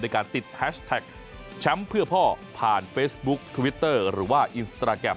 การติดแฮชแท็กแชมป์เพื่อพ่อผ่านเฟซบุ๊คทวิตเตอร์หรือว่าอินสตราแกรม